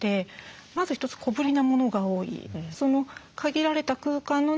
まず一つ小ぶりなものが多い。